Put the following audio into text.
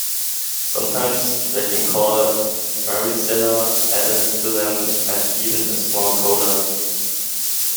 Sometimes they can call Marisela added to them, and even a small coda.